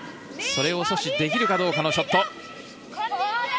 それを阻止できるかどうかのショット。